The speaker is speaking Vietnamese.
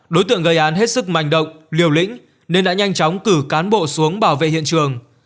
đối tượng gây án hết sức manh động liều lĩnh nên đã nhanh chóng cử cán bộ xuống bảo vệ hiện trường